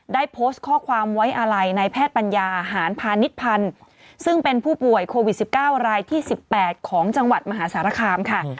ได้โพสต์ข้อความไว้อาลัยในแพทย์ปัญญาหารพาณิชพันธ์ซึ่งเป็นผู้ป่วยโควิด๑๙รายที่๑๘ของจังหวัดมหาสารคามค่ะ